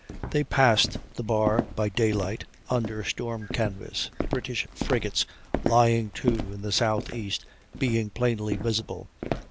They passed the bar by daylight, under storm canvas, the British frigates lying to in the southeast being plainly visible.